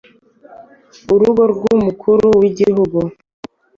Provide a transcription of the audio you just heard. urugo rw’umukuru w’igihugu .